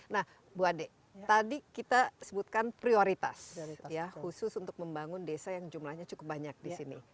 nah bu ade tadi kita sebutkan prioritas ya khusus untuk membangun desa yang jumlahnya cukup banyak di sini